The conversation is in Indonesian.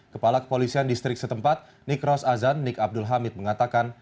kepala kepolisian distrik setempat nikros azan nik abdul hamid mengatakan